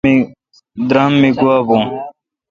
درام می گوا بھون۔